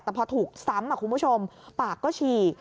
แต่พอถูกซ้ำคุณผู้ชมปากก็ฉีก